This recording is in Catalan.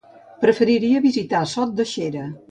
Preferiria visitar Sot de Xera.